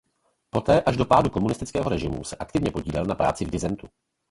Poté až do pádu komunistického režimu se aktivně podílel na práci v disentu.